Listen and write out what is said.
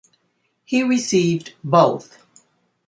He received both.